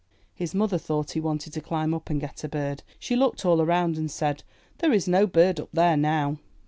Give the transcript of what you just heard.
*' His mother thought he wanted to climb up and get a bird; she looked all around and said, ''Thene is no bird up there now."